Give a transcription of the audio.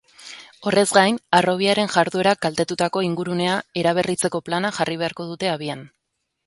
Horrez gain, harrobiaren jarduerak kaltetutako ingurunea eraberritzeko plana jarri beharko dute abian.